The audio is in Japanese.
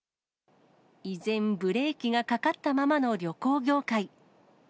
依然、ブレーキがかかったままの旅行業界。